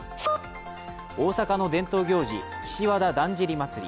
大阪の伝統行事、岸和田だんじり祭。